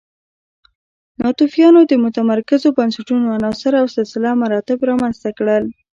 ناتوفیانو د متمرکزو بنسټونو عناصر او سلسله مراتب رامنځته کړل